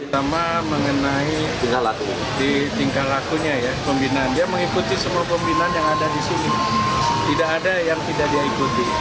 pertama mengenai tingkah laku di tingkah lakunya ya pembinaan dia mengikuti semua pembinaan yang ada di sini tidak ada yang tidak dia ikuti